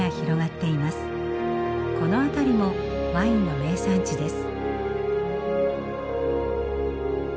この辺りもワインの名産地です。